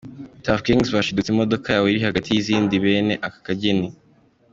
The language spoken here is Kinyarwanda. Tuff Gangs bashidutse imodoka yabo iri hagati y'izindi bene aka kageni.